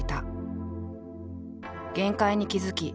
限界に気付き